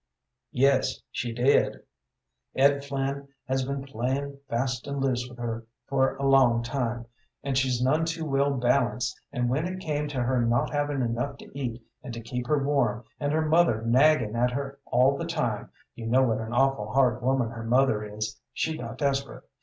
"Yes, she did. Ed Flynn has been playing fast and loose with her for a long time, and she's none too well balanced, and when it came to her not having enough to eat, and to keep her warm, and her mother nagging at her all the time you know what an awful hard woman her mother is she got desperate.